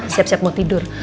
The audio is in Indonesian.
siap siap mau tidur